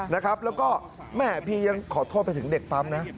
แล้วก็แม่พี่ยังขอโทษไปถึงเด็กปั๊มนะ